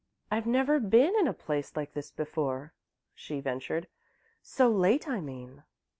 "I've never been in a place like this before," she ventured. "So late, I mean."